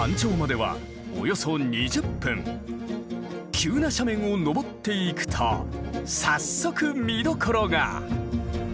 急な斜面を登っていくと早速見どころが！